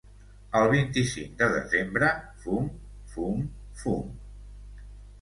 El vint-i-cinc de desembre fum fum fum